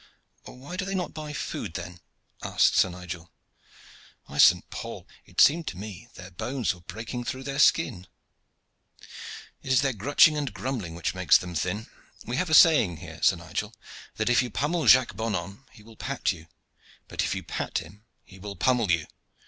"Why do they not buy food then?" asked Sir Nigel. "By St. Paul! it seemed to me their bones were breaking through their skin." "It is their grutching and grumbling which makes them thin. We have a saying here, Sir Nigel, that if you pummel Jacques Bonhomme he will pat you, but if you pat him he will pummel you.